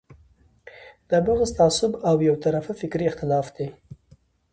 دا بغض، تعصب او یو طرفه فکري اختلاف دی.